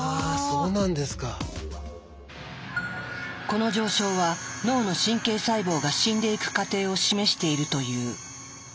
この上昇は脳の神経細胞が死んでいく過程を示しているという。